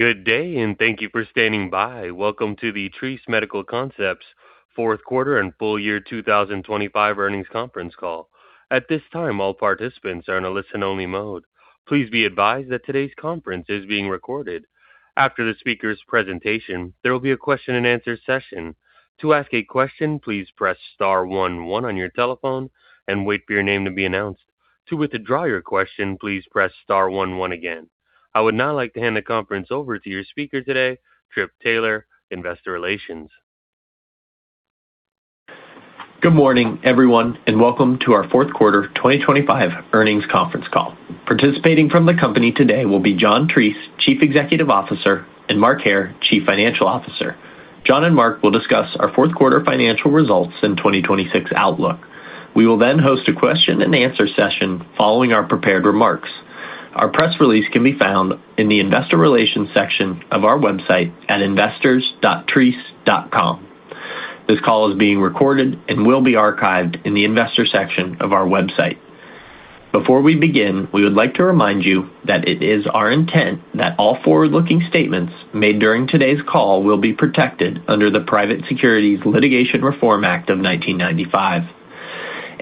Good day. Thank you for standing by. Welcome to the Treace Medical Concepts fourth quarter and full year 2025 earnings conference call. At this time, all participants are in a listen-only mode. Please be advised that today's conference is being recorded. After the speaker's presentation, there will be a question-and-answer session. To ask a question, please press star one one on your telephone and wait for your name to be announced. To withdraw your question, please press star one one again. I would now like to hand the conference over to your speaker today, Tripp Taylor, Investor Relations. Good morning, everyone, and welcome to our fourth quarter 2025 earnings conference call. Participating from the company today will be John Treace, Chief Executive Officer, and Mark Hair, Chief Financial Officer. John and Mark will discuss our fourth quarter financial results in 2026 outlook. We will then host a question-and-answer session following our prepared remarks. Our press release can be found in the Investor Relations section of our website at investors.treace.com. This call is being recorded and will be archived in the investor section of our website. Before we begin, we would like to remind you that it is our intent that all forward-looking statements made during today's call will be protected under the Private Securities Litigation Reform Act of 1995.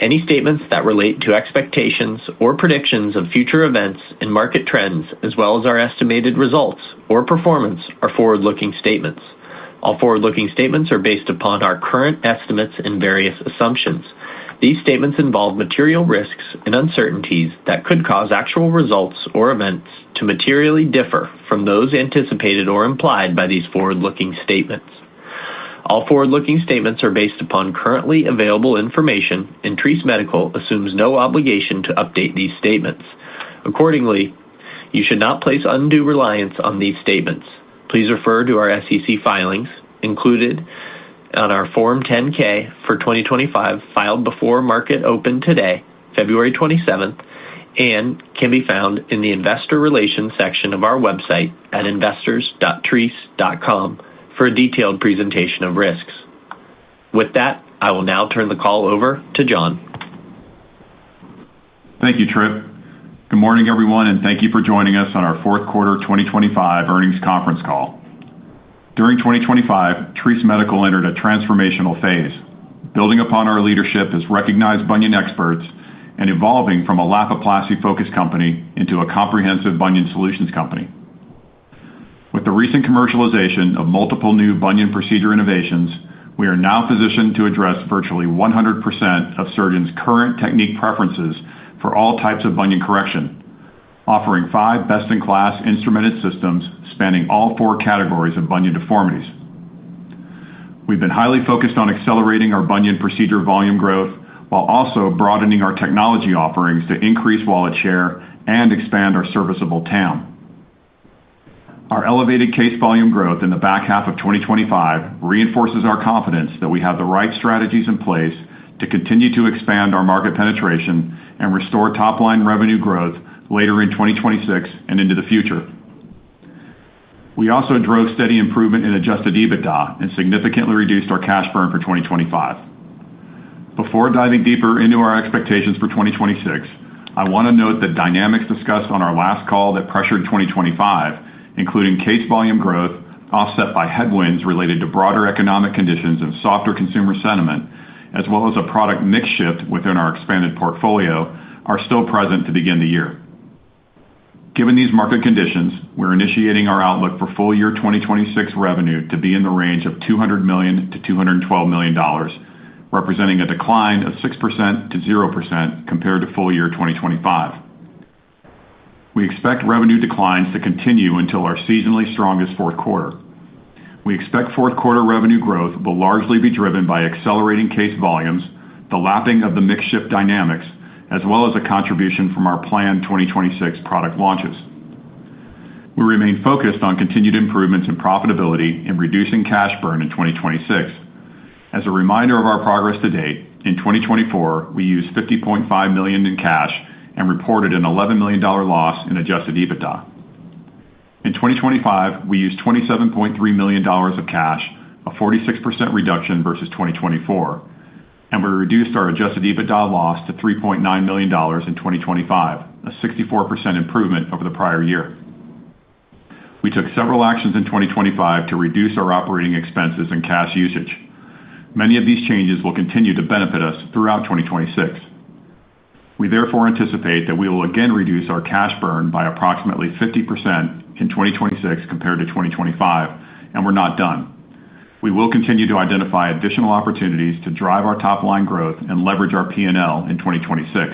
Any statements that relate to expectations or predictions of future events and market trends, as well as our estimated results or performance, are forward-looking statements. All forward-looking statements are based upon our current estimates and various assumptions. These statements involve material risks and uncertainties that could cause actual results or events to materially differ from those anticipated or implied by these forward-looking statements. All forward-looking statements are based upon currently available information, and Treace Medical assumes no obligation to update these statements. Accordingly, you should not place undue reliance on these statements. Please refer to our SEC filings, included on our Form 10-K for 2025, filed before market open today, February 27th, and can be found in the Investor Relations section of our website at investors.treace.com for a detailed presentation of risks. With that, I will now turn the call over to John. Thank you, Tripp. Good morning, everyone, and thank you for joining us on our fourth quarter 2025 earnings conference call. During 2025, Treace Medical entered a transformational phase, building upon our leadership as recognized bunion experts and evolving from a Lapiplasty-focused company into a comprehensive bunion solutions company. With the recent commercialization of multiple new bunion procedure innovations, we are now positioned to address virtually 100% of surgeons' current technique preferences for all types of bunion correction, offering five best-in-class instrumented systems spanning all four categories of bunion deformities. We've been highly focused on accelerating our bunion procedure volume growth while also broadening our technology offerings to increase wallet share and expand our serviceable TAM. Our elevated case volume growth in the back half of 2025 reinforces our confidence that we have the right strategies in place to continue to expand our market penetration and restore top-line revenue growth later in 2026 and into the future. We also drove steady improvement in adjusted EBITDA and significantly reduced our cash burn for 2025. Before diving deeper into our expectations for 2026, I want to note that dynamics discussed on our last call that pressured 2025, including case volume growth, offset by headwinds related to broader economic conditions and softer consumer sentiment, as well as a product mix shift within our expanded portfolio, are still present to begin the year. Given these market conditions, we're initiating our outlook for full year 2026 revenue to be in the range of $200 million-$212 million, representing a decline of 6% to 0% compared to full year 2025. We expect revenue declines to continue until our seasonally strongest fourth quarter. We expect fourth quarter revenue growth will largely be driven by accelerating case volumes, the lapping of the mix shift dynamics, as well as a contribution from our planned 2026 product launches. We remain focused on continued improvements in profitability and reducing cash burn in 2026. As a reminder of our progress to date, in 2024, we used $50.5 million in cash and reported an $11 million loss in adjusted EBITDA. In 2025, we used $27.3 million of cash, a 46% reduction versus 2024. We reduced our adjusted EBITDA loss to $3.9 million in 2025, a 64% improvement over the prior year. We took several actions in 2025 to reduce our operating expenses and cash usage. Many of these changes will continue to benefit us throughout 2026. We, therefore, anticipate that we will again reduce our cash burn by approximately 50% in 2026 compared to 2025. We're not done. We will continue to identify additional opportunities to drive our top-line growth and leverage our P&L in 2026.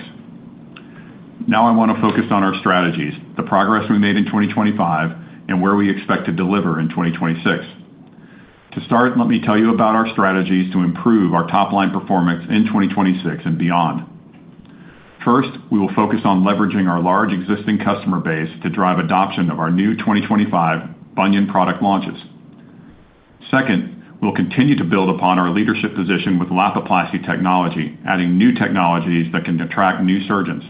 I want to focus on our strategies, the progress we made in 2025, and where we expect to deliver in 2026. To start, let me tell you about our strategies to improve our top-line performance in 2026 and beyond. First, we will focus on leveraging our large existing customer base to drive adoption of our new 2025 bunion product launches. Second, we'll continue to build upon our leadership position with Lapiplasty technology, adding new technologies that can attract new surgeons.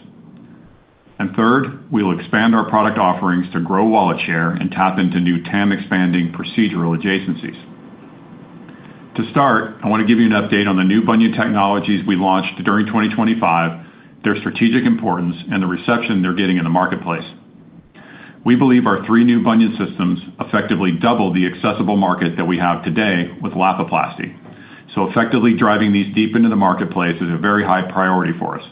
Third, we will expand our product offerings to grow wallet share and tap into new TAM, expanding procedural adjacencies. To start, I want to give you an update on the new bunion technologies we launched during 2025, their strategic importance, and the reception they're getting in the marketplace. We believe our three new bunion systems effectively double the accessible market that we have today with Lapiplasty. Effectively driving these deep into the marketplace is a very high priority for us.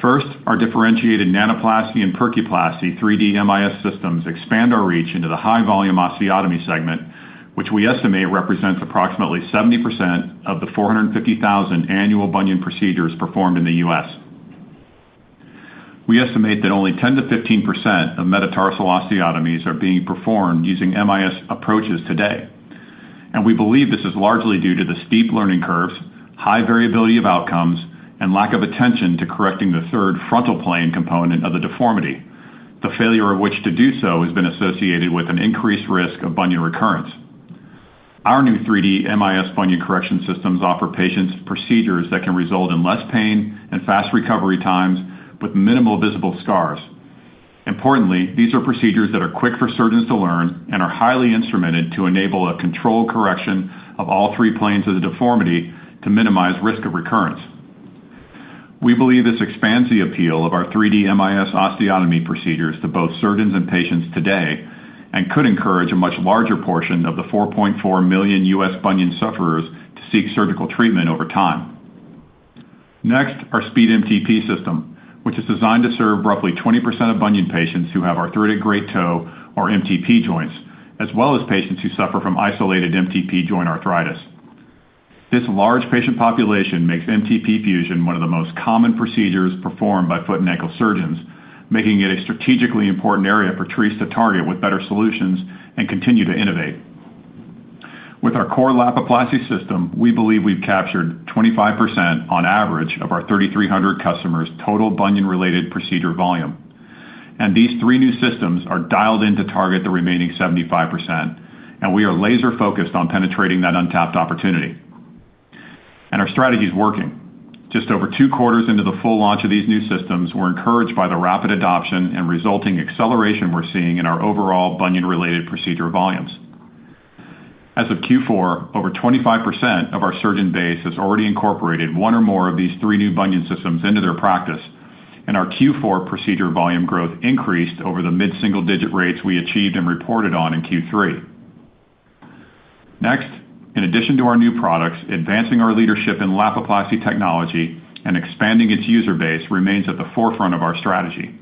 First, our differentiated Nanoplasty and Percuplasty, 3D MIS systems, expand our reach into the high-volume osteotomy segment, which we estimate represents approximately 70% of the 450,000 annual bunion procedures performed in the U.S. We estimate that only 10%-15% of metatarsal osteotomies are being performed using MIS approaches today. We believe this is largely due to the steep learning curves, high variability of outcomes, and lack of attention to correcting the third frontal plane component of the deformity, the failure of which to do so has been associated with an increased risk of bunion recurrence. Our new 3D MIS bunion correction systems offer patients procedures that can result in less pain and fast recovery times with minimal visible scars. Importantly, these are procedures that are quick for surgeons to learn and are highly instrumented to enable a controlled correction of all three planes of the deformity to minimize risk of recurrence. We believe this expands the appeal of our 3D MIS osteotomy procedures to both surgeons and patients today. Could encourage a much larger portion of the 4.4 million U.S. bunion sufferers to seek surgical treatment over time. Next, our SpeedMTP system, which is designed to serve roughly 20% of bunion patients who have arthritic great toe or MTP joints, as well as patients who suffer from isolated MTP joint arthritis. This large patient population makes MTP fusion one of the most common procedures performed by foot and ankle surgeons, making it a strategically important area for Treace to target with better solutions and continue to innovate. With our core Lapiplasty system, we believe we've captured 25% on average of our 3,300 customers' total bunion-related procedure volume. These three new systems are dialed in to target the remaining 75%, and we are laser-focused on penetrating that untapped opportunity. Our strategy is working. Just over two quarters into the full launch of these new systems, we're encouraged by the rapid adoption and resulting acceleration we're seeing in our overall bunion-related procedure volumes. As of Q4, over 25% of our surgeon base has already incorporated one or more of these three new bunion systems into their practice, and our Q4 procedure volume growth increased over the mid-single-digit rates we achieved and reported on in Q3. Next, in addition to our new products, advancing our leadership in Lapiplasty technology and expanding its user base remains at the forefront of our strategy.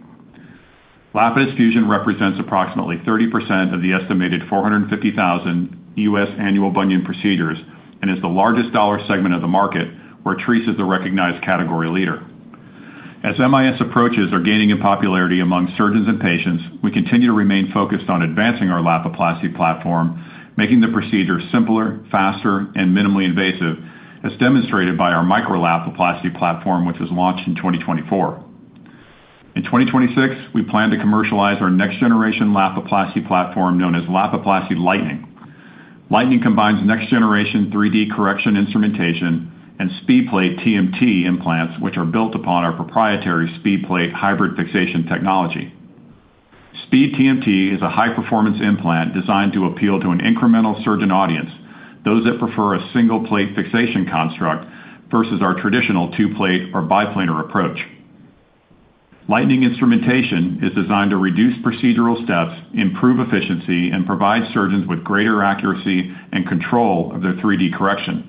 Lapidus fusion represents approximately 30% of the estimated 450,000 U.S. annual bunion procedures, is the largest dollar segment of the market, where Treace is the recognized category leader. As MIS approaches are gaining in popularity among surgeons and patients, we continue to remain focused on advancing our Lapiplasty platform, making the procedure simpler, faster, and minimally invasive, as demonstrated by our Micro-Lapiplasty platform, which was launched in 2024. In 2026, we plan to commercialize our next-generation Lapiplasty platform, known as Lapiplasty Lightning. Lightning combines next generation 3D correction instrumentation and SpeedPlate TMT implants, which are built upon our proprietary SpeedPlate hybrid fixation technology. SpeedTMT is a high-performance implant designed to appeal to an incremental surgeon audience, those that prefer a single plate fixation construct versus our traditional two-plate or biplanar approach. Lightning instrumentation is designed to reduce procedural steps, improve efficiency, and provide surgeons with greater accuracy and control of their 3D correction.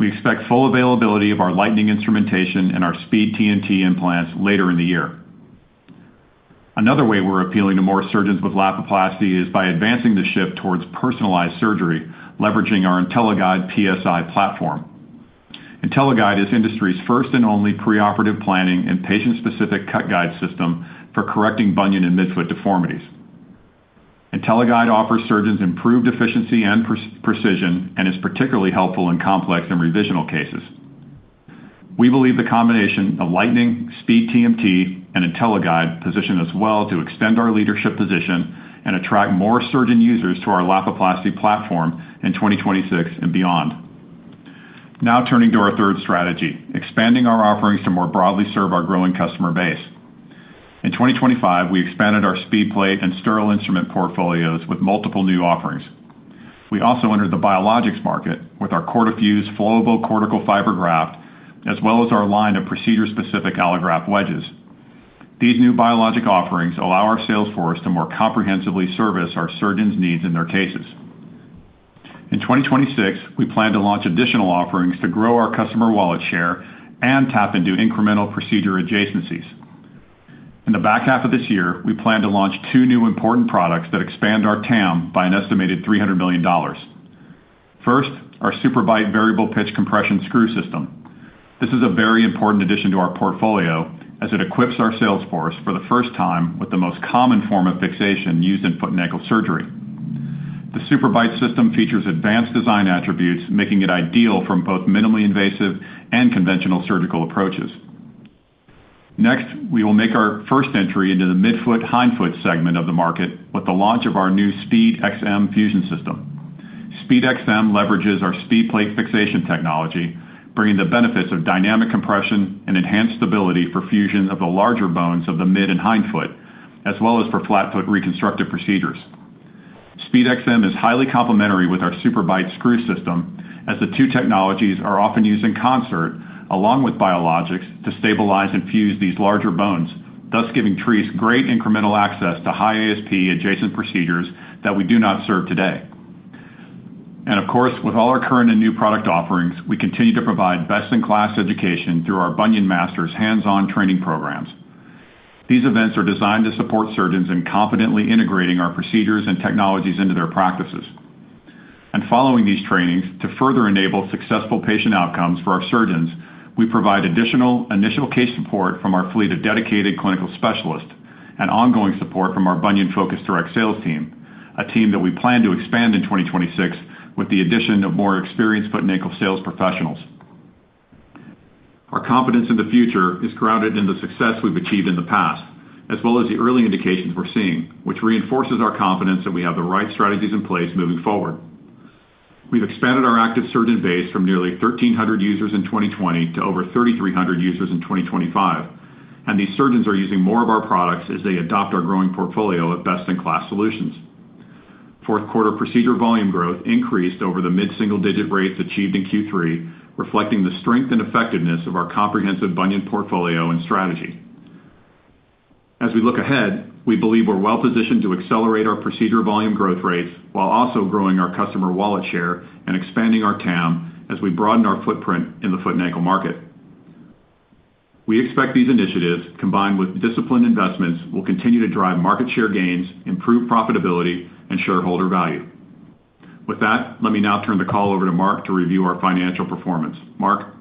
We expect full availability of our Lightning instrumentation and our SpeedTMT implants later in the year. Another way we're appealing to more surgeons with Lapiplasty is by advancing the shift towards personalized surgery, leveraging our IntelliGuide PSI platform. IntelliGuide is industry's first and only preoperative planning and patient-specific cut guide system for correcting bunion and midfoot deformities. IntelliGuide offers surgeons improved efficiency and precision and is particularly helpful in complex and revisional cases. We believe the combination of Lightning, SpeedTMT, and IntelliGuide position us well to extend our leadership position and attract more surgeon users to our Lapiplasty platform in 2026 and beyond. Now turning to our third strategy, expanding our offerings to more broadly serve our growing customer base. In 2025, we expanded our SpeedPlate and sterile instrument portfolios with multiple new offerings. We also entered the biologics market with our CortiFuse flowable cortical fiber graft, as well as our line of procedure-specific allograft wedges. These new biologic offerings allow our sales force to more comprehensively service our surgeons' needs in their cases. In 2026, we plan to launch additional offerings to grow our customer wallet share and tap into incremental procedure adjacencies. In the back half of this year, we plan to launch two new important products that expand our TAM by an estimated $300 million. First, our SuperBite variable pitch compression screw system. This is a very important addition to our portfolio as it equips our sales force for the first time with the most common form of fixation used in foot and ankle surgery. The SuperBite system features advanced design attributes, making it ideal for both minimally invasive and conventional surgical approaches. We will make our first entry into the midfoot, hindfoot segment of the market with the launch of our new SpeedXM Fusion system. SpeedXM leverages our SpeedPlate fixation technology, bringing the benefits of dynamic compression and enhanced stability for fusion of the larger bones of the mid and hindfoot, as well as for flatfoot reconstructive procedures. SpeedXM is highly complementary with our SuperBite screw system, as the two technologies are often used in concert, along with biologics, to stabilize and fuse these larger bones, thus giving Treace great incremental access to high ASP adjacent procedures that we do not serve today. Of course, with all our current and new product offerings, we continue to provide best-in-class education through our BunionMasters hands-on training programs. These events are designed to support surgeons in confidently integrating our procedures and technologies into their practices. Following these trainings, to further enable successful patient outcomes for our surgeons, we provide additional initial case support from our fleet of dedicated clinical specialists and ongoing support from our bunion-focused direct sales team, a team that we plan to expand in 2026 with the addition of more experienced foot and ankle sales professionals. Our confidence in the future is grounded in the success we've achieved in the past, as well as the early indications we're seeing, which reinforces our confidence that we have the right strategies in place moving forward. We've expanded our active surgeon base from nearly 1,300 users in 2020 to over 3,300 users in 2025, and these surgeons are using more of our products as they adopt our growing portfolio of best-in-class solutions. Fourth quarter procedure volume growth increased over the mid-single-digit rates achieved in Q3, reflecting the strength and effectiveness of our comprehensive bunion portfolio and strategy. As we look ahead, we believe we're well positioned to accelerate our procedure volume growth rates while also growing our customer wallet share and expanding our TAM as we broaden our footprint in the foot and ankle market. We expect these initiatives, combined with disciplined investments, will continue to drive market share gains, improve profitability, and shareholder value. With that, let me now turn the call over to Mark to review our financial performance. Mark?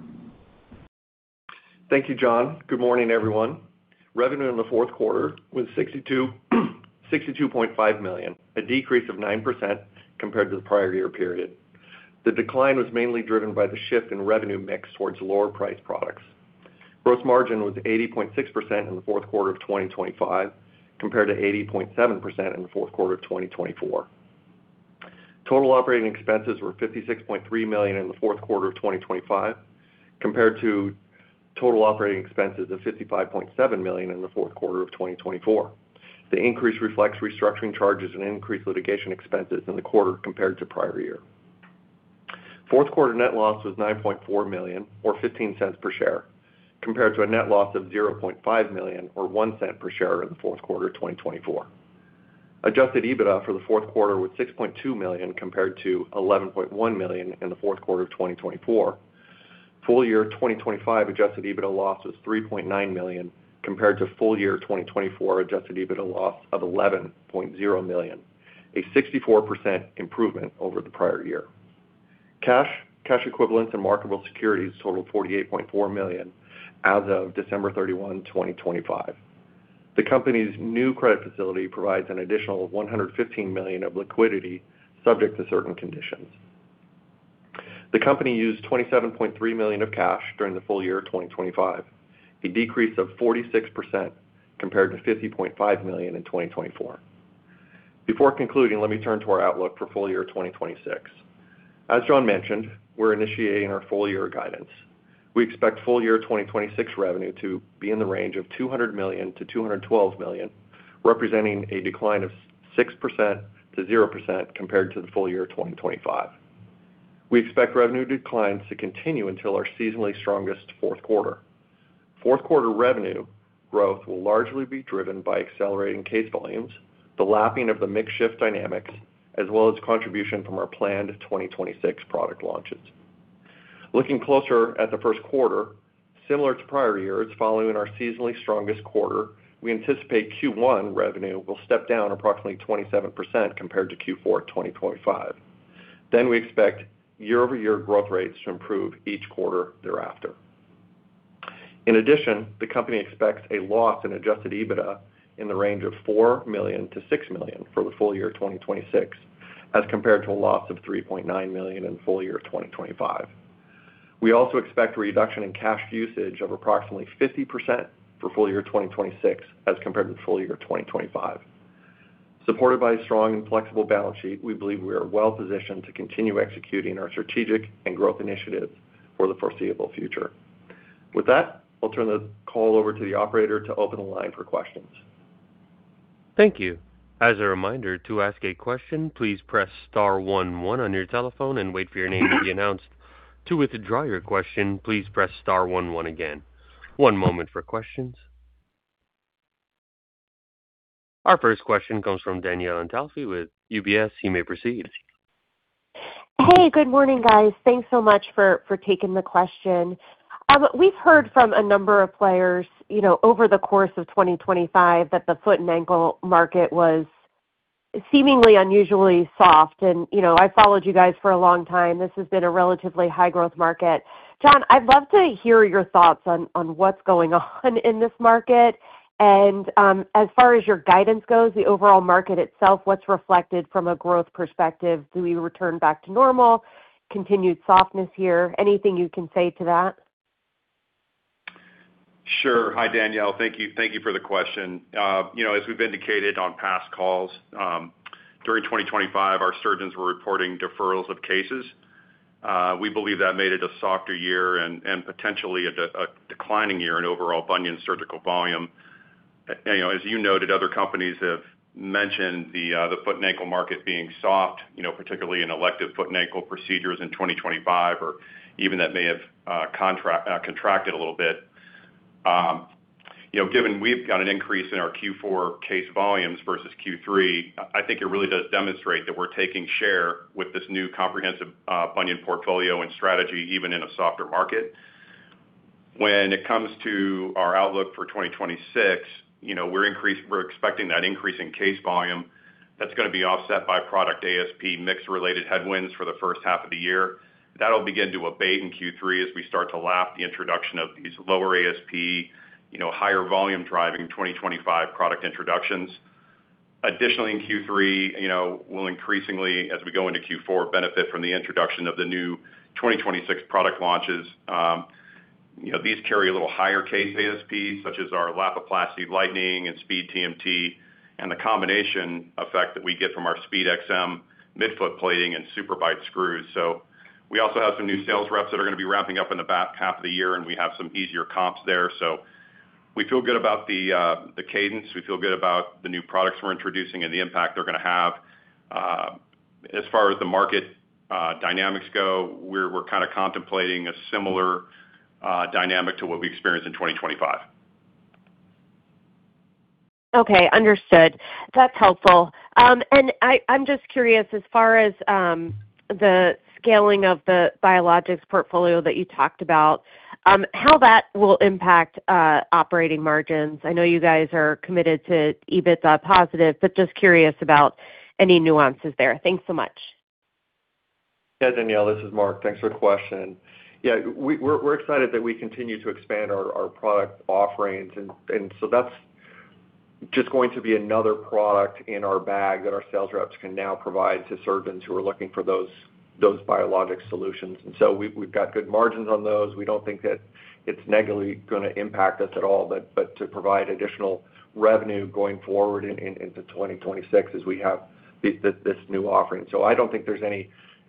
Thank you, John. Good morning, everyone. Revenue in the fourth quarter was $62.5 million, a decrease of 9% compared to the prior year period. The decline was mainly driven by the shift in revenue mix towards lower-priced products. Gross margin was 80.6% in the fourth quarter of 2025, compared to 80.7% in the fourth quarter of 2024. Total operating expenses were $56.3 million in the fourth quarter of 2025, compared to total operating expenses of $55.7 million in the fourth quarter of 2024. The increase reflects restructuring charges and increased litigation expenses in the quarter compared to prior year. Fourth quarter net loss was $9.4 million, or $0.15 per share, compared to a net loss of $0.5 million, or $0.01 per share, in the fourth quarter of 2024. Adjusted EBITDA for the fourth quarter was $6.2 million, compared to $11.1 million in the fourth quarter of 2024. Full year 2025 adjusted EBITDA loss was $3.9 million, compared to full year 2024 adjusted EBITDA loss of $11.0 million, a 64% improvement over the prior year. Cash, cash equivalents, and marketable securities totaled $48.4 million as of December 31, 2025. The company's new credit facility provides an additional $115 million of liquidity, subject to certain conditions. The company used $27.3 million of cash during the full year of 2025, a decrease of 46% compared to $50.5 million in 2024. Before concluding, let me turn to our outlook for full year 2026. As John mentioned, we're initiating our full year guidance. We expect full year 2026 revenue to be in the range of $200 million-$212 million, representing a decline of 6% to 0% compared to the full year of 2025. We expect revenue declines to continue until our seasonally strongest fourth quarter. Fourth quarter revenue growth will largely be driven by accelerating case volumes, the lapping of the mix shift dynamics, as well as contribution from our planned 2026 product launches. Looking closer at the first quarter, similar to prior years, following in our seasonally strongest quarter, we anticipate Q1 revenue will step down approximately 27% compared to Q4 2025. Then we expect year-over-year growth rates to improve each quarter thereafter. In addition, the company expects a loss in adjusted EBITDA in the range of $4 million-$6 million for the full year 2026, as compared to a loss of $3.9 million in full year 2025. We also expect a reduction in cash usage of approximately 50% for full year 2026 as compared to full year 2025. Supported by a strong and flexible balance sheet, we believe we are well positioned to continue executing our strategic and growth initiatives for the foreseeable future. With that, I'll turn the call over to the operator to open the line for questions. Thank you. As a reminder, to ask a question, please press star one one on your telephone and wait for your name to be announced. To withdraw your question, please press star one one again. One moment for questions. Our first question comes from Danielle Antalffy with UBS. You may proceed. Hey, good morning, guys. Thanks so much for taking the question. We've heard from a number of players, you know, over the course of 2025, that the foot and ankle market was seemingly unusually soft. You know, I followed you guys for a long time. This has been a relatively high-growth market. John, I'd love to hear your thoughts on what's going on in this market. As far as your guidance goes, the overall market itself, what's reflected from a growth perspective? Do we return back to normal, continued softness here? Anything you can say to that? Sure. Hi, Danielle. Thank you. Thank you for the question. You know, as we've indicated on past calls, during 2025, our surgeons were reporting deferrals of cases. We believe that made it a softer year and potentially a declining year in overall bunion surgical volume. You know, as you noted, other companies have mentioned the foot and ankle market being soft, you know, particularly in elective foot and ankle procedures in 2025, or even that may have contracted a little bit. You know, given we've got an increase in our Q4 case volumes versus Q3, I think it really does demonstrate that we're taking share with this new comprehensive bunion portfolio and strategy, even in a softer market. When it comes to our outlook for 2026, you know, we're expecting that increase in case volume, that's going to be offset by product ASP mix-related headwinds for the first half of the year. That'll begin to abate in Q3 as we start to lap the introduction of these lower ASP, you know, higher volume driving 2025 product introductions. Additionally, in Q3, you know, we'll increasingly, as we go into Q4, benefit from the introduction of the new 2026 product launches. You know, these carry a little higher case ASP, such as our Lapiplasty Lightning and SpeedTMT, and the combination effect that we get from our SpeedXM midfoot plating and SuperBite screws. We also have some new sales reps that are going to be ramping up in the back half of the year, and we have some easier comps there. We feel good about the cadence. We feel good about the new products we're introducing and the impact they're going to have. As far as the market dynamics go, we're kind of contemplating a similar dynamic to what we experienced in 2025. Okay, understood. That's helpful. I'm just curious, as far as, the scaling of the biologics portfolio that you talked about, how that will impact operating margins. I know you guys are committed to EBITDA positive, but just curious about any nuances there. Thanks so much. Yeah, Danielle, this is Mark. Thanks for the question. Yeah, we're excited that we continue to expand our product offerings, and so that's just going to be another product in our bag that our sales reps can now provide to surgeons who are looking for those biologic solutions. We've got good margins on those. We don't think that it's negatively going to impact us at all, but to provide additional revenue going forward into 2026 as we have this new offering. I don't think there's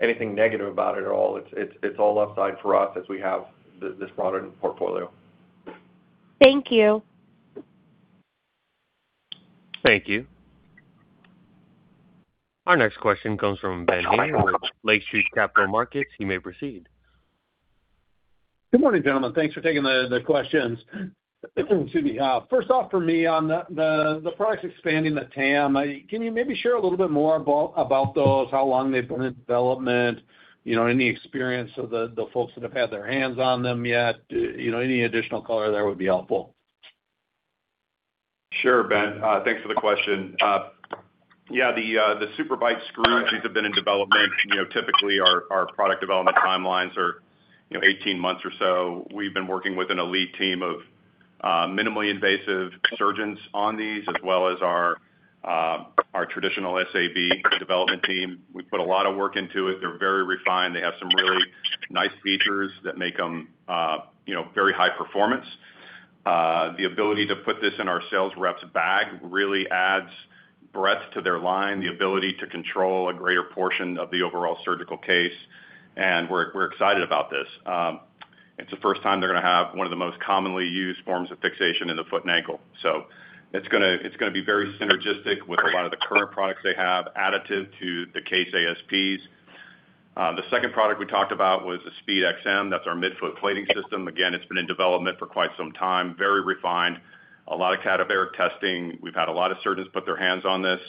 anything negative about it at all. It's all upside for us as we have this product portfolio. Thank you. Thank you. Our next question comes from Ben Haynor with Lake Street Capital Markets. You may proceed. Good morning, gentlemen. Thanks for taking the questions. Excuse me. First off, for me, on the products expanding the TAM, can you maybe share a little bit more about those, how long they've been in development? You know, any experience of the folks that have had their hands on them yet? You know, any additional color there would be helpful. Sure, Ben, thanks for the question. Yeah, the SuperBite screws, these have been in development. You know, typically, our product development timelines are, you know, 18 months or so. We've been working with an elite team of minimally invasive surgeons on these, as well as our traditional SAV development team. We put a lot of work into it. They're very refined. They have some really nice features that make them, you know, very high performance. The ability to put this in our sales rep's bag really adds breadth to their line, the ability to control a greater portion of the overall surgical case, we're excited about this. It's the first time they're going to have one of the most commonly used forms of fixation in the foot and ankle. It's gonna be very synergistic with a lot of the current products they have, additive to the case ASPs. The second product we talked about was the SpeedXM. That's our midfoot plating system. Again, it's been in development for quite some time. Very refined, a lot of cadaveric testing. We've had a lot of surgeons put their hands on this,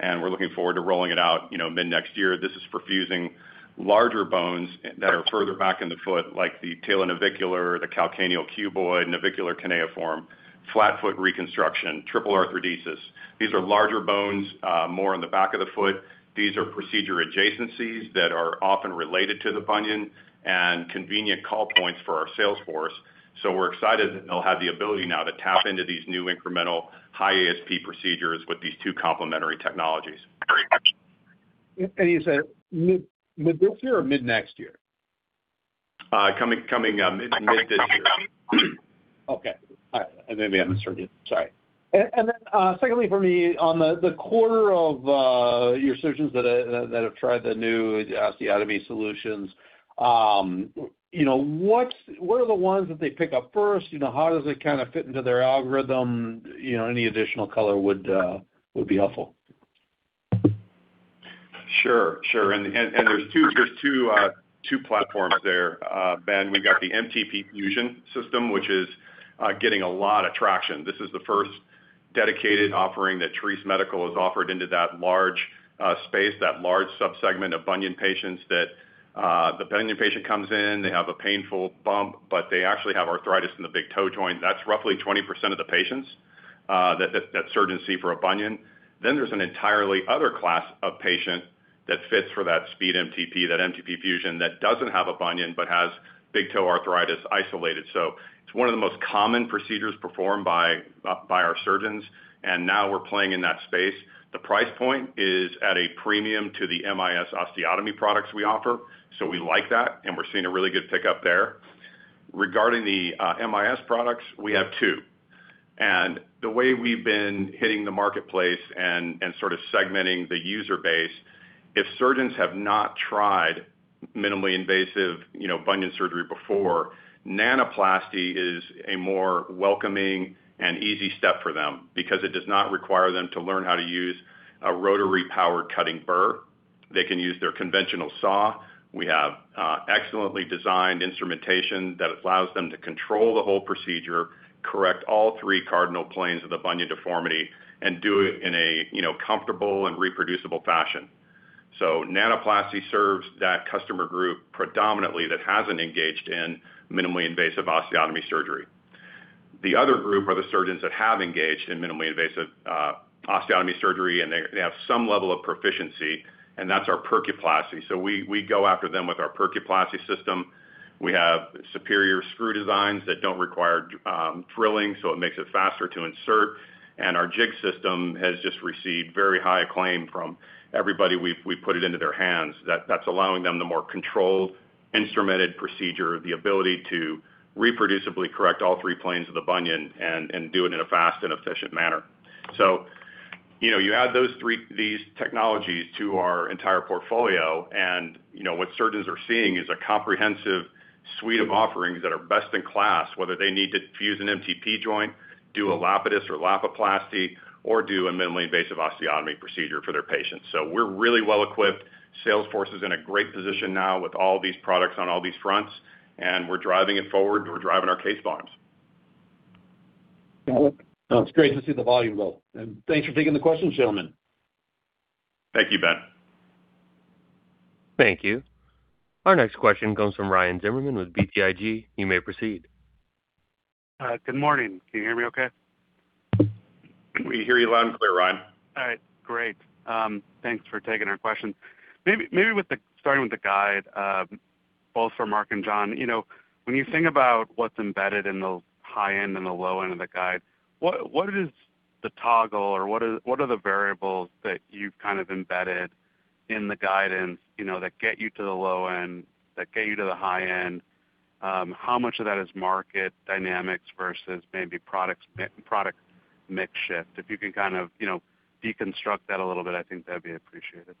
and we're looking forward to rolling it out, you know, mid-next year. This is for fusing larger bones that are further back in the foot, like the talonavicular, the calcaneocuboid, navicular cuneiform, flat foot reconstruction, triple arthrodesis. These are larger bones, more in the back of the foot. These are procedure adjacencies that are often related to the bunion and convenient call points for our sales force. We're excited that they'll have the ability now to tap into these new incremental high ASP procedures with these two complementary technologies. And you said mid this year or mid next year? Coming mid this year. Okay. All right. Maybe I misheard you. Sorry. Then, secondly, for me, on the quarter of your surgeons that have tried the new osteotomy solutions, you know, what are the ones that they pick up first? You know, how does it kind of fit into their algorithm? You know, any additional color would be helpful. Sure, sure. There's two platforms there, Ben. We've got the MTP fusion system, which is getting a lot of traction. This is the first dedicated offering that Treace Medical has offered into that large space, that large subsegment of bunion patients, that the bunion patient comes in, they have a painful bump, but they actually have arthritis in the big toe joint. That's roughly 20% of the patients that surgeons see for a bunion. There's an entirely other class of patient that fits for that SpeedMTP, that MTP fusion, that doesn't have a bunion, but has big toe arthritis isolated. It's one of the most common procedures performed by our surgeons, and now we're playing in that space. The price point is at a premium to the MIS osteotomy products we offer, so we like that, and we're seeing a really good pickup there. Regarding the MIS products, we have two. The way we've been hitting the marketplace and sort of segmenting the user base, if surgeons have not tried minimally invasive, you know, bunion surgery before, Nanoplasty is a more welcoming and easy step for them because it does not require them to learn how to use a rotary powered cutting bur. They can use their conventional saw. We have excellently designed instrumentation that allows them to control the whole procedure, correct all three cardinal planes of the bunion deformity, and do it in a, you know, comfortable and reproducible fashion. Nanoplasty serves that customer group predominantly that hasn't engaged in minimally invasive osteotomy surgery. The other group are the surgeons that have engaged in minimally invasive, osteotomy surgery, and they have some level of proficiency, and that's our Percuplasty. We go after them with our Percuplasty system. We have superior screw designs that don't require drilling, so it makes it faster to insert. Our jig system has just received very high acclaim from everybody we've put it into their hands. That's allowing them the more controlled, instrumented procedure, the ability to reproducibly correct all three planes of the bunion and do it in a fast and efficient manner. You know, you add these technologies to our entire portfolio, and, you know, what surgeons are seeing is a comprehensive suite of offerings that are best in class, whether they need to fuse an MTP joint, do a lapidus or Lapiplasty, or do a minimally invasive osteotomy procedure for their patients. We're really well equipped. Salesforce is in a great position now with all these products on all these fronts, and we're driving it forward, and we're driving our case volumes. Well, it's great to see the volume grow. Thanks for taking the questions, gentlemen. Thank you, Ben. Thank you. Our next question comes from Ryan Zimmerman with BTIG. You may proceed. Good morning. Can you hear me okay? We hear you loud and clear, Ryan. All right, great. Thanks for taking our question. Maybe, starting with the guide, both for Mark and John. You know, when you think about what's embedded in the high end and the low end of the guide, what is the toggle or what are the variables that you've kind of embedded in the guidance, you know, that get you to the low end, that get you to the high end? How much of that is market dynamics versus maybe products, product mix shift? If you can kind of, you know, deconstruct that a little bit, I think that'd be appreciated. Yeah,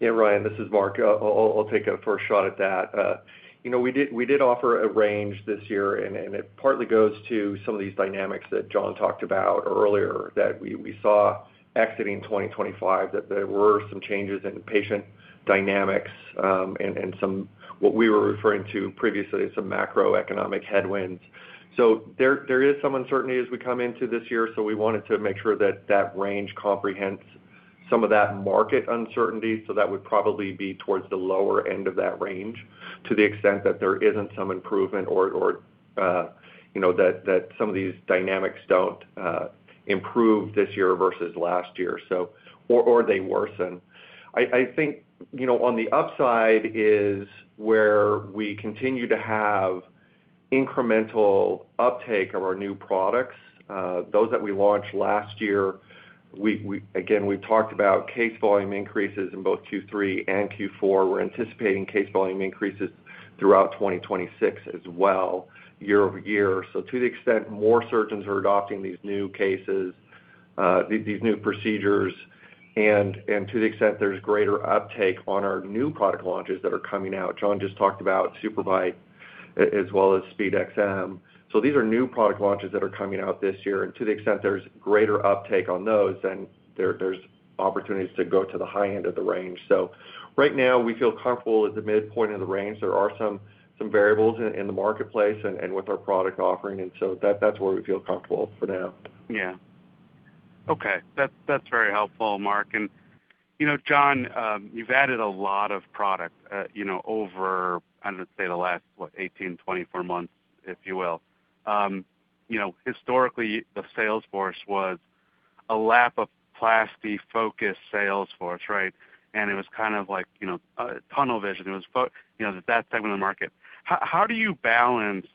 Ryan, this is Mark. I'll take a first shot at that. you know, we did offer a range this year, and it partly goes to some of these dynamics that John talked about earlier, that we saw exiting 2025, that there were some changes in patient dynamics, and some, what we were referring to previously as some macroeconomic headwinds. There is some uncertainty as we come into this year, so we wanted to make sure that that range comprehends some of that market uncertainty. That would probably be towards the lower end of that range to the extent that there isn't some improvement or, you know, that some of these dynamics don't improve this year versus last year, or they worsen. I think, you know, on the upside is where we continue to have incremental uptake of our new products, those that we launched last year. Again, we've talked about case volume increases in both Q3 and Q4. We're anticipating case volume increases throughout 2026 as well, year-over-year. To the extent more surgeons are adopting these new cases, new procedures, and to the extent there's greater uptake on our new product launches that are coming out, John just talked about SuperBite as well as SpeedXM. These are new product launches that are coming out this year, and to the extent there's greater uptake on those, then there's opportunities to go to the high end of the range. Right now, we feel comfortable at the midpoint of the range. There are some variables in the marketplace and with our product offering, that's where we feel comfortable for now. Yeah. Okay. That's very helpful, Mark. You know, John, you've added a lot of product, you know, over, I'm going to say the last, what? 18, 24 months, if you will. You know, historically, the sales force was a Lapiplasty-focused sales force, right? It was kind of like, you know, tunnel vision. It was you know, that segment of the market. How do you balance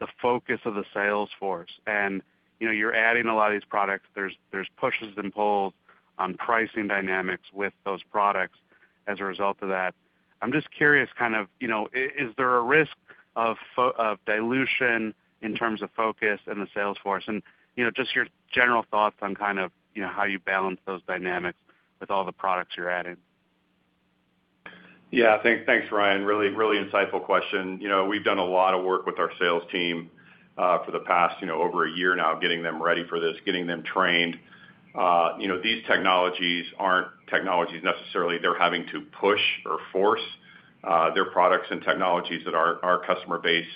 the focus of the sales force? You know, you're adding a lot of these products. There's pushes and pulls on pricing dynamics with those products as a result of that. I'm just curious, kind of, you know, is there a risk of dilution in terms of focus in the sales force? You know, just your general thoughts on kind of, you know, how you balance those dynamics with all the products you're adding? Thanks, Ryan. Really, really insightful question. You know, we've done a lot of work with our sales team for the past, you know, over 1 year now, getting them ready for this, getting them trained. You know, these technologies aren't technologies necessarily. They're having to push or force their products and technologies that our customer base,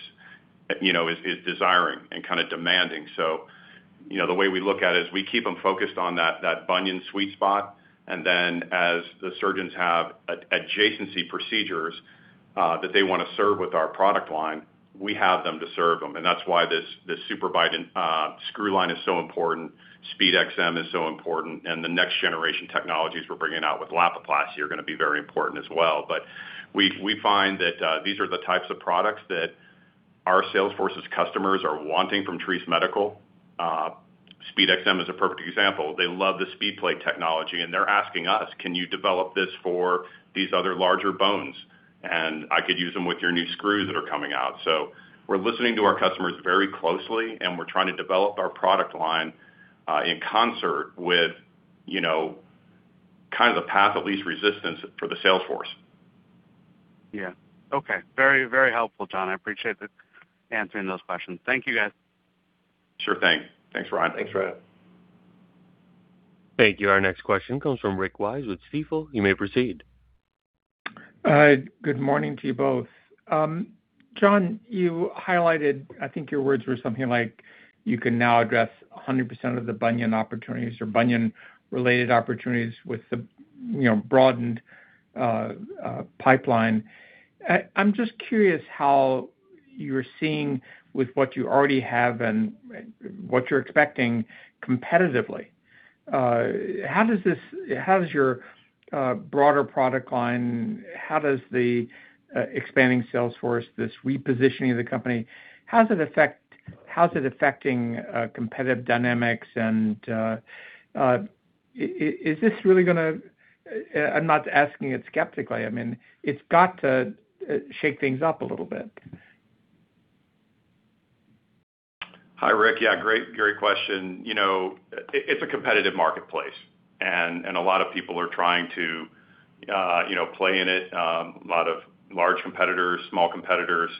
you know, is desiring and kind of demanding. The way we look at it is we keep them focused on that bunion sweet spot, and then as the surgeons have adjacency procedures that they want to serve with our product line, we have them to serve them. And that's why this SuperBite screw line is so important, SpeedXM is so important, and the next generation technologies we're bringing out with Lapiplasty are going to be very important as well. We find that these are the types of products that our salesforce's customers are wanting from Treace Medical. SpeedXM is a perfect example. They love the SpeedPlate technology, and they're asking us: Can you develop this for these other larger bones? I could use them with your new screws that are coming out. We're listening to our customers very closely, and we're trying to develop our product line in concert with, you know, kind of the path of least resistance for the salesforce. Okay. Very, very helpful, John. I appreciate the answering those questions. Thank you, guys. Sure thing. Thanks, Ryan. Thanks, Ryan. Thank you. Our next question comes from Rick Wise with Stifel. You may proceed. Good morning to you both. John, you highlighted, I think your words were something like, "You can now address 100% of the bunion opportunities or bunion-related opportunities with the, you know, broadened pipeline." I'm just curious how you're seeing with what you already have and what you're expecting competitively. How does your broader product line, how does the expanding sales force, this repositioning of the company, how is it affecting competitive dynamics? Is this really gonna. I'm not asking it skeptically. I mean, it's got to shake things up a little bit. Hi, Rick. Yeah, great question. You know, it's a competitive marketplace. A lot of people are trying to, you know, play in it, a lot of large competitors, small competitors.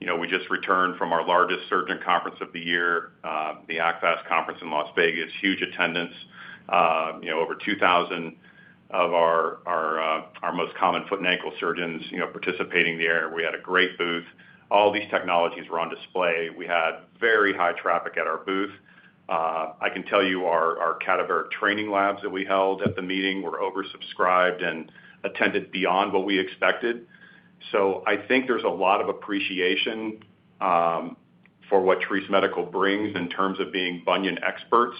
You know, we just returned from our largest surgeon conference of the year, the ACFAS conference in Las Vegas. Huge attendance, you know, over 2,000 of our most common foot and ankle surgeons, you know, participating there. We had a great booth. All these technologies were on display. We had very high traffic at our booth. I can tell you our cadaver training labs that we held at the meeting were oversubscribed and attended beyond what we expected. I think there's a lot of appreciation for what Treace Medical brings in terms of being bunion experts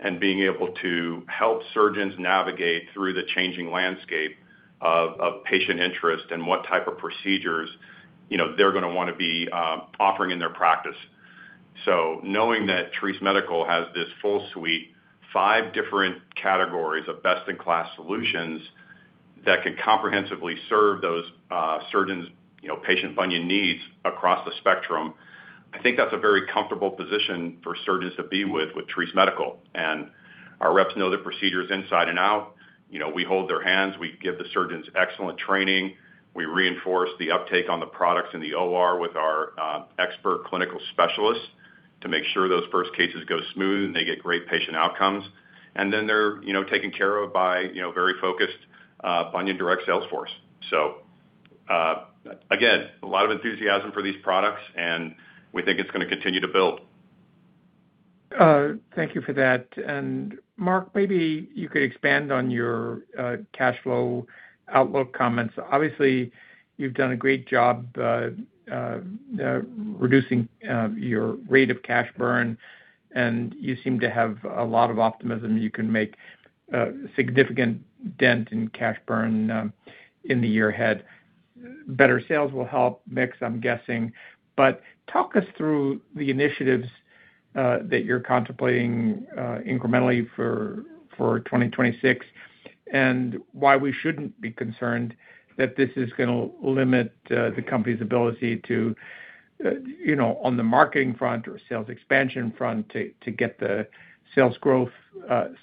and being able to help surgeons navigate through the changing landscape of patient interest and what type of procedures, you know, they're gonna wanna be offering in their practice. Knowing that Treace Medical has this full suite, five different categories of best-in-class solutions that can comprehensively serve those surgeons, you know, patient bunion needs across the spectrum, I think that's a very comfortable position for surgeons to be with Treace Medical. Our reps know the procedures inside and out. You know, we hold their hands, we give the surgeons excellent training, we reinforce the uptake on the products in the OR with our expert clinical specialists to make sure those first cases go smooth, and they get great patient outcomes. They're, you know, taken care of by, you know, very focused, bunion direct sales force. Again, a lot of enthusiasm for these products, and we think it's gonna continue to build. Thank you for that. Mark, maybe you could expand on your cash flow outlook comments. Obviously, you've done a great job reducing your rate of cash burn, and you seem to have a lot of optimism you can make a significant dent in cash burn in the year ahead. Better sales will help mix, I'm guessing, but talk us through the initiatives that you're contemplating incrementally for 2026, and why we shouldn't be concerned that this is gonna limit the company's ability to, you know, on the marketing front or sales expansion front, to get the sales growth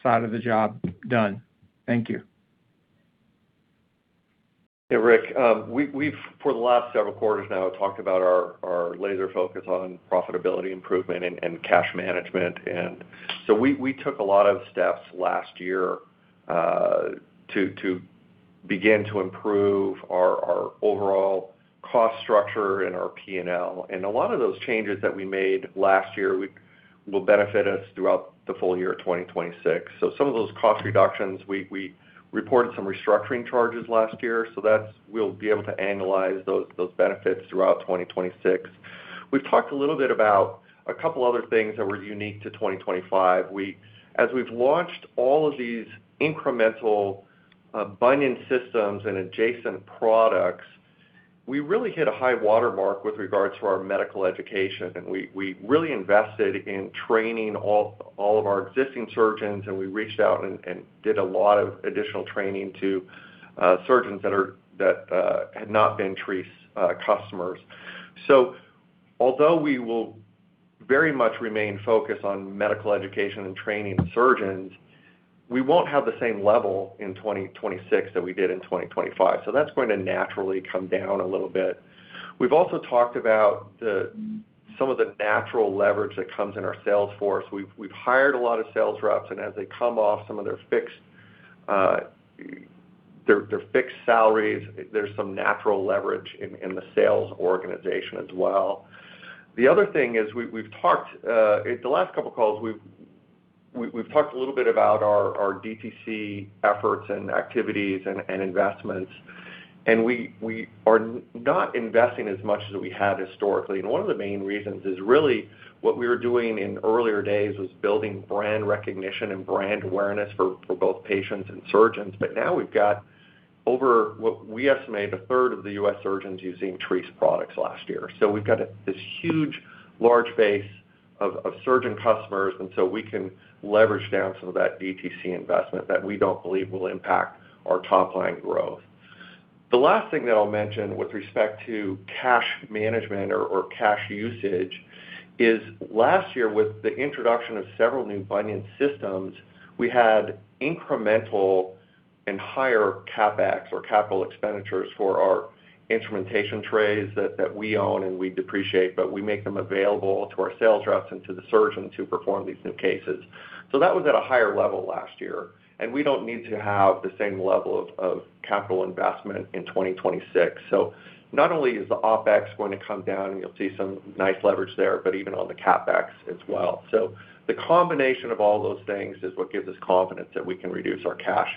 side of the job done. Thank you. Hey, Rick. We've for the last several quarters now, talked about our laser focus on profitability improvement and cash management. We took a lot of steps last year to begin to improve our overall cost structure and our P&L. A lot of those changes that we made last year will benefit us throughout the full year of 2026. Some of those cost reductions, we reported some restructuring charges last year, we'll be able to annualize those benefits throughout 2026. We've talked a little bit about a couple other things that were unique to 2025. As we've launched all of these incremental bunion systems and adjacent products, we really hit a high water mark with regards to our medical education, and we really invested in training all of our existing surgeons, and we reached out and did a lot of additional training to surgeons that had not been Treace customers. Although we will very much remain focused on medical education and training surgeons, we won't have the same level in 2026 that we did in 2025. That's going to naturally come down a little bit. We've also talked about some of the natural leverage that comes in our sales force. We've hired a lot of sales reps, as they come off some of their fixed, their fixed salaries, there's some natural leverage in the sales organization as well. The other thing is we've talked at the last couple of calls, we've talked a little bit about our DTC efforts and activities and investments, we are not investing as much as we have historically. One of the main reasons is really what we were doing in earlier days was building brand recognition and brand awareness for both patients and surgeons. Now we've got over what we estimate 1/3 of the U.S. surgeons using Treace products last year. We've got this huge, large base of surgeon customers, we can leverage down some of that DTC investment that we don't believe will impact our top line growth. The last thing that I'll mention with respect to cash management or cash usage is, last year, with the introduction of several new bunion systems, we had incremental and higher CapEx or capital expenditures for our instrumentation trays that we own, and we depreciate, but we make them available to our sales reps and to the surgeon to perform these new cases. That was at a higher level last year, and we don't need to have the same level of capital investment in 2026. Not only is the OpEx going to come down, and you'll see some nice leverage there, but even on the CapEx as well. The combination of all those things is what gives us confidence that we can reduce our cash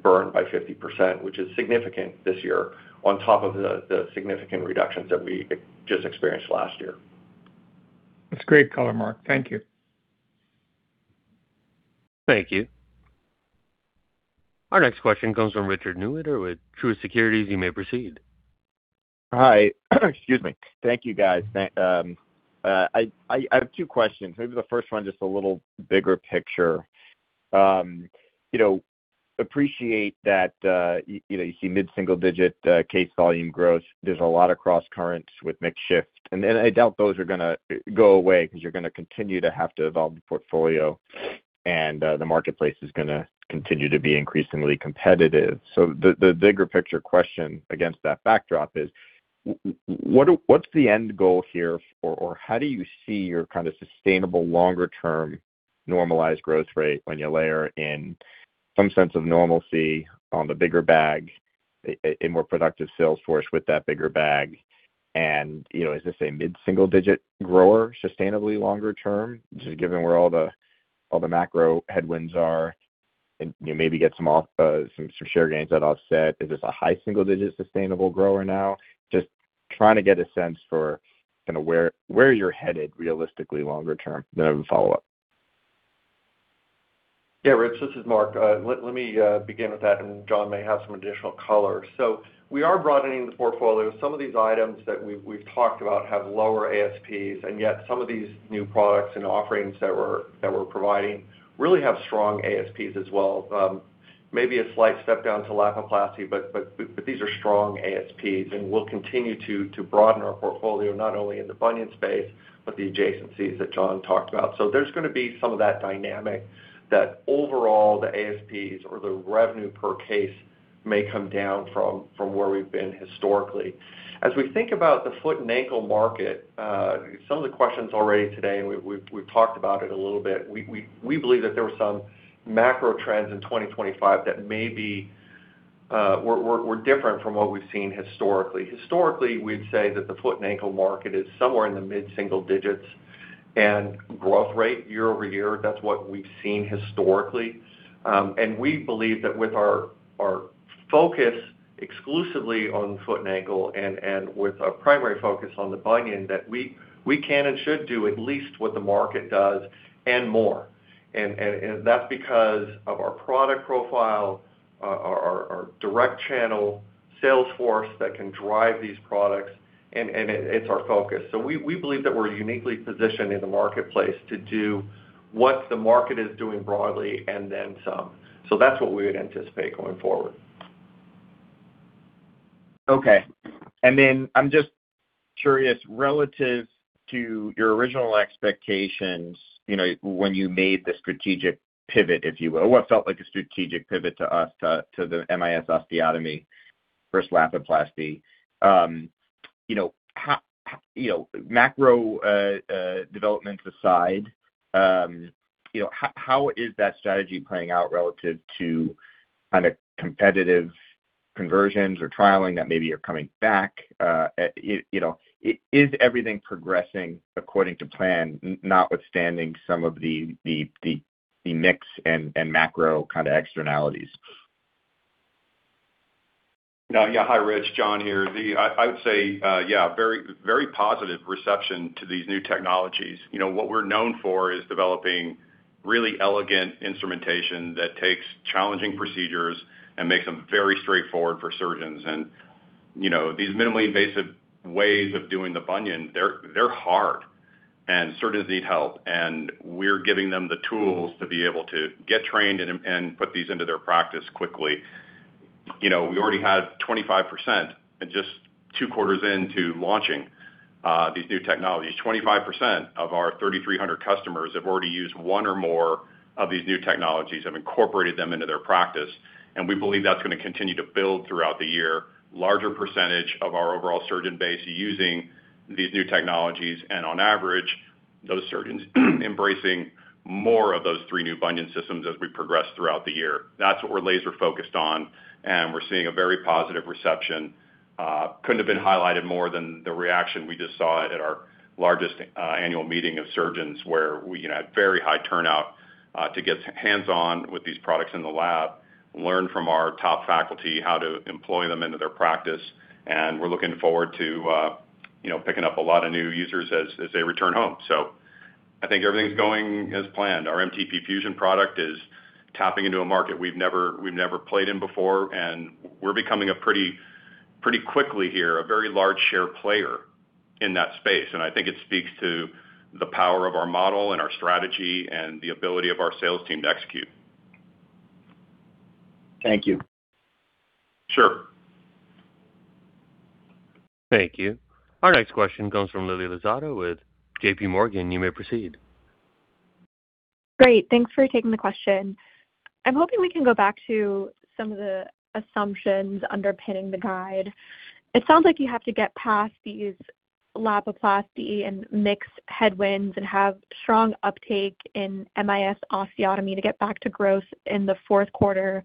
burn by 50%, which is significant this year, on top of the significant reductions that we just experienced last year. That's great color, Mark. Thank you. Thank you. Our next question comes from Richard Newitter with Truist Securities. You may proceed. Hi. Excuse me. Thank you, guys. I have two questions. Maybe the first one, just a little bigger picture. You know, appreciate that, you know, you see mid-single digit case volume growth. There's a lot of crosscurrents with mix shift, and then I doubt those are gonna go away because you're gonna continue to have to evolve the portfolio, and the marketplace is gonna continue to be increasingly competitive. The, the bigger picture question against that backdrop is, what's the end goal here for, or how do you see your kind of sustainable, longer-term, normalized growth rate when you layer in some sense of normalcy on the bigger bag, a more productive salesforce with that bigger bag? And you know, is this a mid-single digit grower, sustainably longer term, just given where all the macro headwinds are, and, you know, maybe get some share gains that offset? Is this a high single digit sustainable grower now? Just trying to get a sense for kind of where you're headed realistically, longer term. I have a follow-up. Yeah, Rich, this is Mark. Let me begin with that, and John may have some additional color. We are broadening the portfolio. Some of these items that we've talked about have lower ASPs, and yet some of these new products and offerings that we're providing really have strong ASPs as well. Maybe a slight step down to Lapiplasty, but these are strong ASPs, and we'll continue to broaden our portfolio, not only in the bunion space, but the adjacencies that John talked about. There's gonna be some of that dynamic that overall, the ASPs or the revenue per case may come down from where we've been historically. As we think about the foot and ankle market, some of the questions already today, and we've talked about it a little bit. We believe that there were some macro trends in 2025 that maybe were different from what we've seen historically. Historically, we'd say that the foot and ankle market is somewhere in the mid-single digits, and growth rate year-over-year, that's what we've seen historically. We believe that with our focus exclusively on foot and ankle and with our primary focus on the bunion, that we can and should do at least what the market does and more. That's because of our product profile, our direct channel sales force that can drive these products, and it's our focus. We believe that we're uniquely positioned in the marketplace to do what the market is doing broadly and then some. That's what we would anticipate going forward. Okay. I'm just curious, relative to your original expectations, you know, when you made the strategic pivot, if you will, what felt like a strategic pivot to us, to the MIS osteotomy versus Lapiplasty. You know, how macro developments aside, you know, how is that strategy playing out relative to kind of competitive conversions or trialing that maybe are coming back? You know, is everything progressing according to plan, notwithstanding some of the mix and macro kind of externalities? No, yeah. Hi, Rich, John here. Yeah, very, very positive reception to these new technologies. You know, what we're known for is developing really elegant instrumentation that takes challenging procedures and makes them very straightforward for surgeons. You know, these minimally invasive ways of doing the bunion, they're hard and surgeons need help, and we're giving them the tools to be able to get trained and put these into their practice quickly. You know, we already have 25% in just two quarters into launching these new technologies. 25% of our 3,300 customers have already used one or more of these new technologies, have incorporated them into their practice, and we believe that's gonna continue to build throughout the year. Larger percentage of our overall surgeon base using these new technologies, and on average, those surgeons embracing more of those three new bunion systems as we progress throughout the year. That's what we're laser focused on, and we're seeing a very positive reception. Couldn't have been highlighted more than the reaction we just saw at our largest annual meeting of surgeons, where we, you know, had very high turnout to get hands-on with these products in the lab, learn from our top faculty how to employ them into their practice, and we're looking forward to, you know, picking up a lot of new users as they return home. I think everything's going as planned. Our MTP fusion product is tapping into a market we've never played in before, and we're becoming a pretty quickly here, a very large share player in that space. I think it speaks to the power of our model and our strategy and the ability of our sales team to execute. Thank you. Sure. Thank you. Our next question comes from Lily Lozada with JPMorgan. You may proceed. Great, thanks for taking the question. I'm hoping we can go back to some of the assumptions underpinning the guide. It sounds like you have to get past these Lapiplasty and mix headwinds and have strong uptake in MIS osteotomy to get back to growth in the fourth quarter.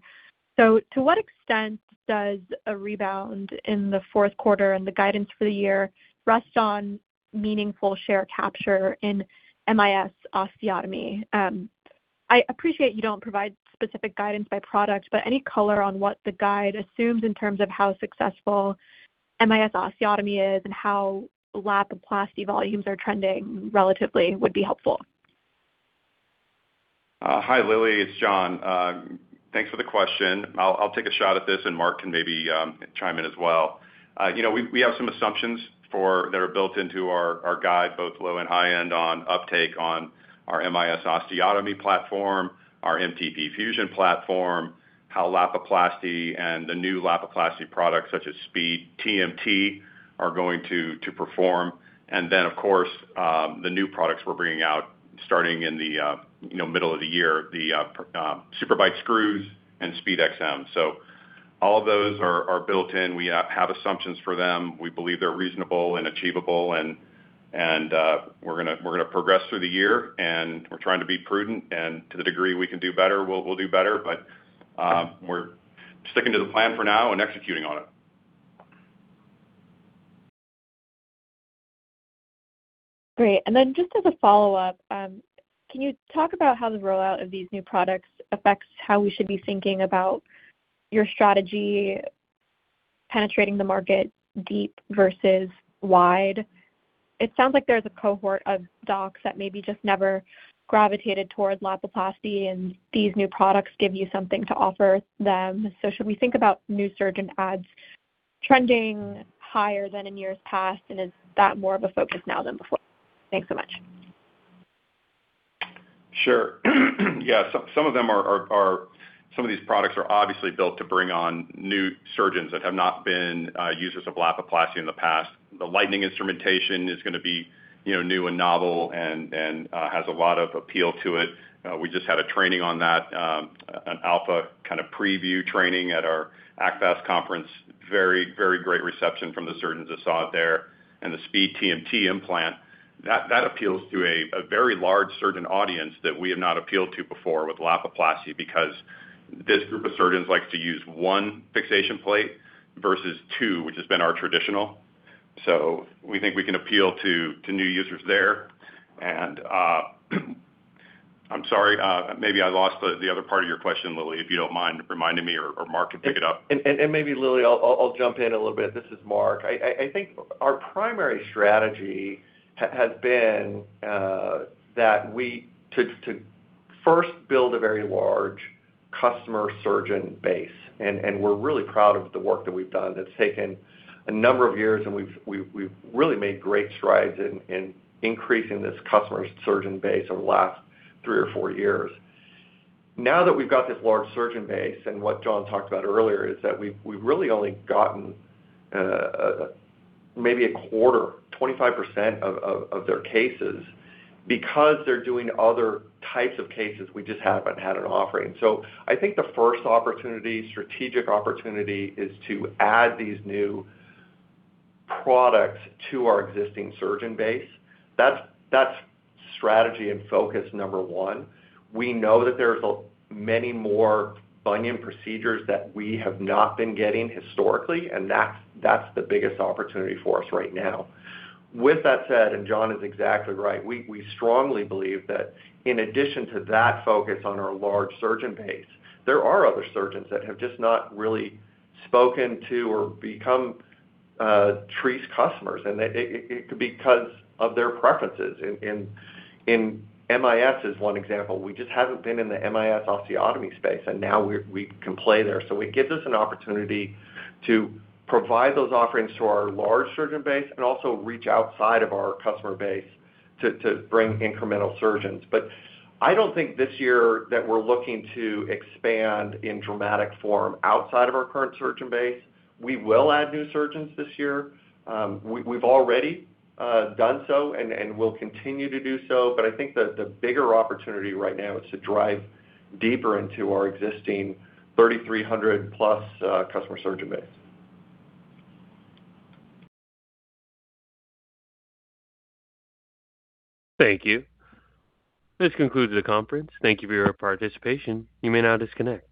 To what extent does a rebound in the fourth quarter and the guidance for the year rest on meaningful share capture in MIS osteotomy? I appreciate you don't provide specific guidance by product, but any color on what the guide assumes in terms of how successful MIS osteotomy is and how Lapiplasty volumes are trending relatively would be helpful. Hi, Lily, it's John. Thanks for the question. I'll take a shot at this, and Mark can maybe chime in as well. You know, we have some assumptions that are built into our guide, both low and high end on uptake on our MIS osteotomy platform, our MTP fusion platform, how Lapiplasty and the new Lapiplasty products, such as SpeedTMT, are going to perform. Of course, the new products we're bringing out, starting in the, you know, middle of the year, the SuperBite screws and SpeedXM. All of those are built in. We have assumptions for them. We believe they're reasonable and achievable, and we're gonna progress through the year, and we're trying to be prudent, and to the degree we can do better, we'll do better. We're sticking to the plan for now and executing on it. Great. Just as a follow-up, can you talk about how the rollout of these new products affects how we should be thinking about your strategy, penetrating the market deep versus wide? It sounds like there's a cohort of docs that maybe just never gravitated towards Lapiplasty, and these new products give you something to offer them. Should we think about new surgeon adds trending higher than in years past, and is that more of a focus now than before? Thanks so much. Sure. Yeah, some of them are some of these products are obviously built to bring on new surgeons that have not been users of Lapiplasty in the past. The Lightning instrumentation is gonna be, you know, new and novel and has a lot of appeal to it. We just had a training on that, an alpha kind of preview training at our ACFAS conference. Very great reception from the surgeons that saw it there. The SpeedTMT implant, that appeals to a very large surgeon audience that we have not appealed to before with Lapiplasty, because this group of surgeons likes to use one fixation plate versus two, which has been our traditional. We think we can appeal to new users there. I'm sorry, maybe I lost the other part of your question, Lily, if you don't mind reminding me or Mark can pick it up. Maybe, Lily, I'll jump in a little bit. This is Mark Hair. I think our primary strategy has been to first build a very large customer surgeon base, and we're really proud of the work that we've done. It's taken a number of years, and we've really made great strides in increasing this customer surgeon base over the last three or four years. Now that we've got this large surgeon base, and what John talked about earlier, is that we've really only gotten maybe a quarter, 25% of their cases, because they're doing other types of cases we just haven't had an offering. I think the first opportunity, strategic opportunity, is to add these new products to our existing surgeon base. That's strategy and focus number one. We know that there's a many more bunion procedures that we have not been getting historically, and that's the biggest opportunity for us right now. With that said, John is exactly right, we strongly believe that in addition to that focus on our large surgeon base, there are other surgeons that have just not really spoken to or become Treace's customers, and it could because of their preferences. In MIS is one example. We just haven't been in the MIS osteotomy space, and now we can play there. It gives us an opportunity to provide those offerings to our large surgeon base and also reach outside of our customer base to bring incremental surgeons. I don't think this year that we're looking to expand in dramatic form outside of our current surgeon base. We will add new surgeons this year. We've already done so and will continue to do so, but I think that the bigger opportunity right now is to drive deeper into our existing 3,300+ customer surgeon base. Thank you. This concludes the conference. Thank you for your participation. You may now disconnect.